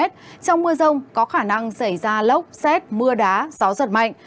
trong mưa rông có khả năng xảy ra lốc xét mưa đá gió giật mạnh